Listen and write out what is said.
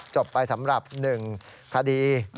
จบไปสำหรับ๑คดี